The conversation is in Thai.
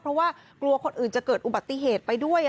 เพราะว่ากลัวคนอื่นจะเกิดอุบัติเหตุไปด้วย